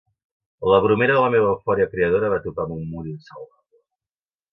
La bromera de la meva eufòria creadora va topar amb un mur insalvable.